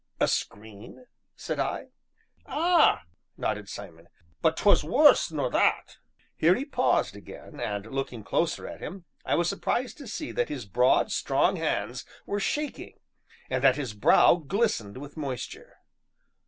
"A scream?" said I. "Ah!" nodded Simon, "but 'twere worse nor that." Here he paused again, and looking closer at him, I was surprised to see that his broad, strong hands were shaking, and that his brow glistened with moisture.